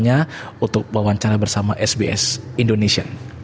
hanya untuk wawancara bersama sbs indonesia